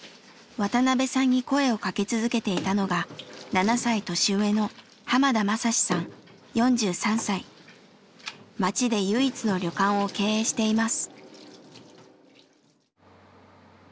渡邊さんに声をかけ続けていたのが７歳年上の町で唯一の旅館を経営しています。